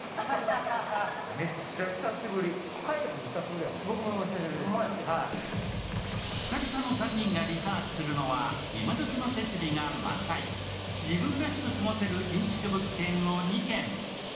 久々の３人がリサーチするのは、今どきの設備が満載、自分らしく過ごせる新築物件を２軒。